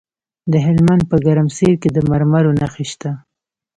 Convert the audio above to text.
د هلمند په ګرمسیر کې د مرمرو نښې شته.